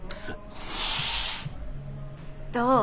どう？